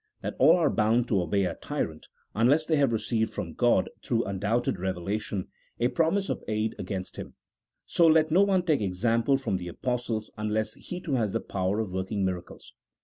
that all are bound to obey a tyrant, unless they have received from God through undoubted revelation a promise of aid against him ; so let no one take example from the Apostles unless he too has the power of working miracles.